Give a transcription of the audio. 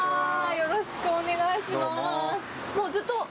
よろしくお願いします。